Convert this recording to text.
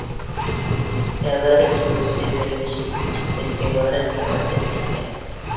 تەۋەلىك تۇيغۇسى بىرلىشىپ كېتىشتىن ئىبارەت مۇقەددەسلىكتە.